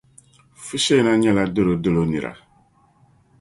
Fusheina nyɛla Dolodolo nira.